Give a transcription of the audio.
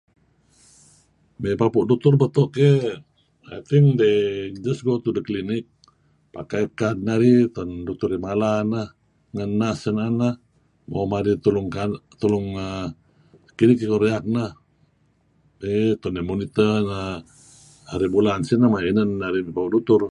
Mey papu' dutur beto' keh I think they just go to the clinic pakai kad narih tu'en dutur mala neh ngan nurse eh na'en neh mo marih tulung kinih koh rirak neh tei nu'en narih monitor neh haribulan sinah maya' sineh neh narih mey papu'dutur.